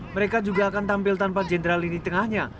mereka juga akan tampil tanpa jenderal lini tengahnya